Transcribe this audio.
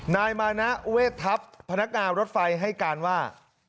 นายมานะเวททัพพนักงานรถไฟให้การว่า